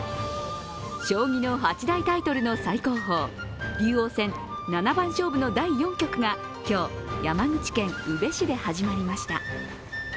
将棋の八大タイトルの最高峰、竜王戦七番勝負第４局が今日、山口県宇部市で始まりました。